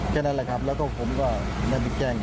แค่นั้นแหละครับแล้วก็ผมก็ได้ไปแจ้ง